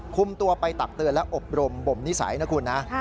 คุมตัวไปตักเตือนและอบรมบ่มนิสัยนะคุณนะ